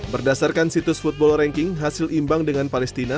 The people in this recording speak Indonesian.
berdasarkan situs football ranking hasil imbang dengan palestina